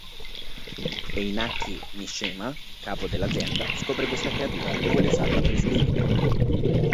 Heihachi Mishima, capo dell'azienda, scopre questa creatura e vuole usarla per i suoi fini.